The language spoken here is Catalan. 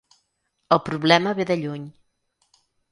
El problema ve de lluny.